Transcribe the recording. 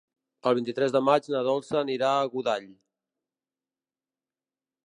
El vint-i-tres de maig na Dolça anirà a Godall.